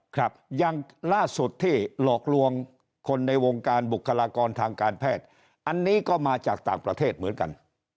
ครับอย่างล่าสุดที่หลอกลวงคนในวงการบุคลากรทางการแพทย์อันนี้ก็มาจากต่างประเทศเหมือนกัน